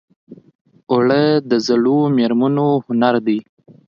اوړه د زړو مېرمنو هنر دی